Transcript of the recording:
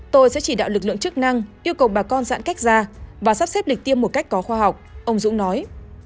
tôi sẽ chỉ đạo lực lượng chức năng yêu cầu bà con giãn cách ra và sắp xếp lịch tiêm một cách có khoa học ông dũng nói